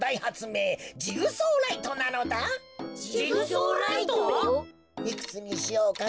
いくつにしようかな。